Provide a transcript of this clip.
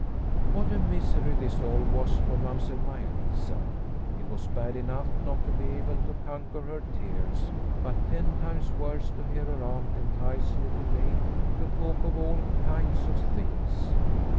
What a misery this all was for Mamsell Maia Lisa ; it was bad enough not to be able to conquer her tears, but ten times worse to hear her aunt entice Little Maid to talk of all kinds of things.